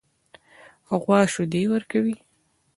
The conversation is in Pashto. غوا شیدې ورکوي.